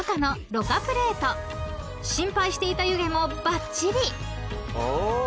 ［心配していた湯気もばっちり］